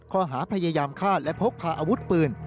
ข้อหาพยายามฆ่าและพกพาอาวุธปืน